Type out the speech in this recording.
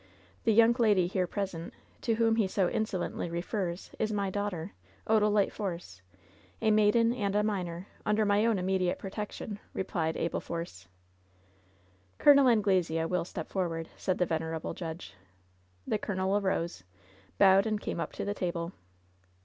The young lady here present, to whom he so insolently refers, is my daughter, Odalite Force, a maiden and a minor, under my own immediate protection," replied Abel Force. "Col. Angus Anglesea will step forward," said the venerable judge. The colonel arose, bowed and came up to the table.